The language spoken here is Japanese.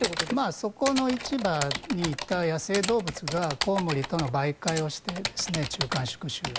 そこの市場にいた野生動物がコウモリとの媒介をして中間宿主。